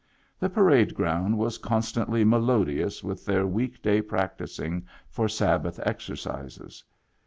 The parade ground was constantly melodious with their week day practising for Sabbath exercises.